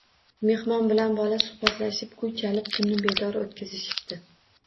Mehmon bilan bola suhbatlashib, kuy chalib, tunni bedor o‘tkazishibdi